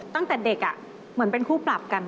ตั้งแต่เด็กเหมือนเป็นคู่ปรับกัน